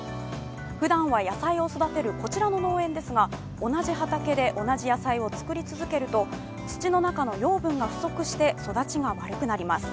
ふだんは野菜を育てるこちらの農園ですが、同じ畑で同じ野菜を作り続けると土の中の養分が不足して育ちが悪くなります。